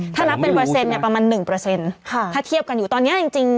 ถ้านับเป็นเปอร์เซ็นต์เนี่ยประมาณ๑ถ้าเทียบกันอยู่ตอนนี้จริง